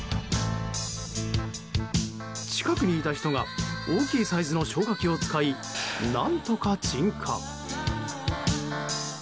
近くにいた人が大きいサイズの消火器を使い、何とか鎮火。